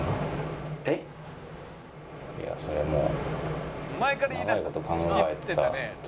いやそれはもう。